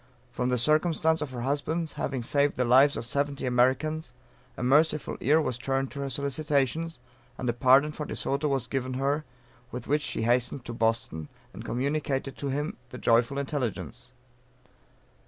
From the circumstance of her husband's having saved the lives of seventy Americans, a merciful ear was turned to her solicitations, and a pardon for De Soto was given her, with which she hastened to Boston, and communicated to him the joyful intelligence.